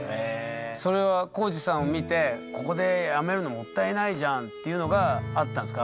それは皓史さんを見てここでやめるのもったいないじゃんっていうのがあったんですか？